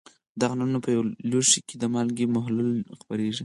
دغه نلونه په یو لوښي کې د مالګې محلول ته خپرېږي.